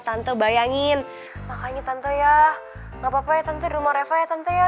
tante bayangin makanya tante ya gak apa apa ya tante di rumah reva ya tante ya